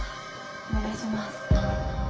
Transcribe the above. お願いします。